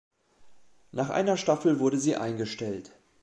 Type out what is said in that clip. Nach einer Staffel wurde sie eingestellt.